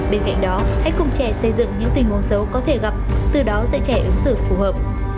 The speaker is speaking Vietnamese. bên cạnh đó hãy cùng trẻ xây dựng những tình huống xấu có thể gặp từ đó dạy trẻ ứng xử phù hợp